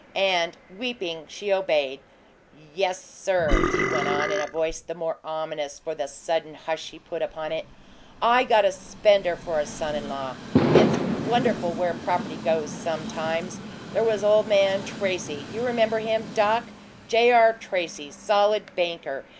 And, weeping, she obeyed. "Yes, sir," he went on, in a voice the more ominous for the sudden hush he put upon it. "I got a spender for a son in law! It's wonderful where property goes, sometimes. There was ole man Tracy you remember him, Doc J. R. Tracy, solid banker.